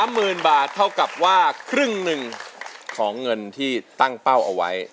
หมื่นบาทเท่ากับว่าครึ่งหนึ่งของเงินที่ตั้งเป้าเอาไว้